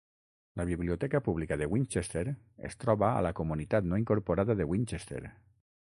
La biblioteca pública de Winchester es troba a la comunitat no incorporada de Winchester.